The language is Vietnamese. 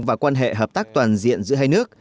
và quan hệ hợp tác toàn diện giữa hai nước